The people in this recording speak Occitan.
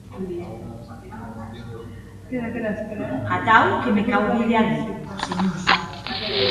Atau que me cau díder adiu, senhors.